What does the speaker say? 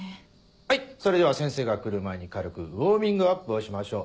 はいそれでは先生が来る前に軽くウオーミングアップをしましょう。